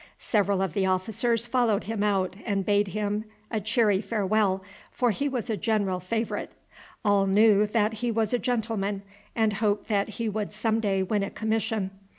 Several of the officers followed him out and bade him a cheery farewell, for he was a general favourite. All knew that he was a gentleman, and hoped that he would some day win a commission.